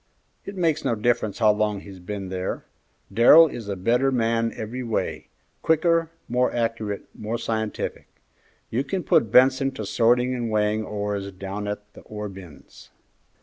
"It makes no difference how long he's been there. Darrell is a better man every way, quicker, more accurate, more scientific. You can put Benson to sorting and weighing ores down at the ore bins."